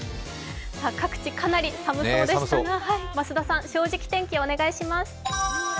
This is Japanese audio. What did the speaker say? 各地、かなり寒そうでしたが、増田さん、「正直天気」お願いします。